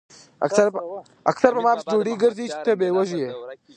اکثر پۀ ما پسې ډوډۍ ګرځئ چې تۀ به وږے ئې ـ